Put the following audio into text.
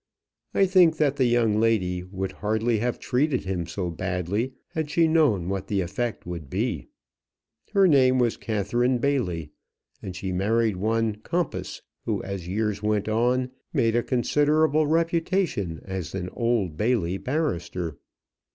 I think that the young lady would hardly have treated him so badly had she known what the effect would be. Her name was Catherine Bailey, and she married one Compas, who, as years went on, made a considerable reputation as an Old Bailey barrister.